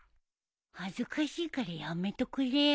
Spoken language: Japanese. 恥ずかしいからやめとくれよ。